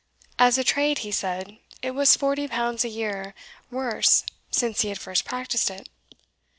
As a trade, he said, it was forty pounds a year worse since he had first practised it.